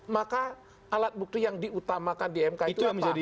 maka alat bukti yang diutamakan di mk itu apa